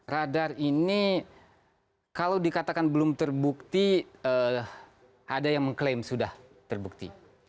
radar ini kalau dikatakan belum terbukti ada yang mengklaim sudah terbukti